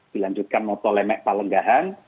dilanjutkan moto lemek palenggahan